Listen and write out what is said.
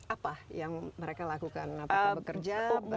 apa yang mereka lakukan apakah bekerja